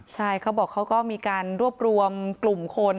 ใช่เขาบอกเขาก็มีการรวบรวมกลุ่มคน